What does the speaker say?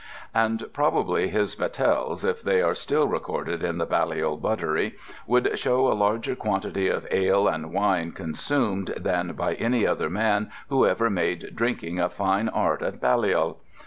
And probably his battels, if they are still recorded in the Balliol buttery, would show a larger quantity of ale and wine consumed than by any other man who ever made drinking a fine art at Balliol.